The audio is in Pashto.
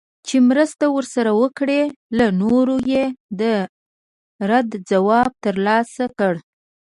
چي مرسته ورسره وکړي له نورو یې د رد ځواب ترلاسه کړ